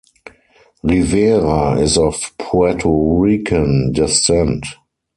Rivera is of Puerto Rican descent.